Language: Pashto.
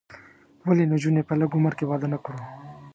ولې نجونې په لږ عمر کې واده نه کړو؟